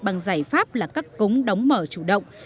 bằng giải pháp là các cống đóng mở chủ động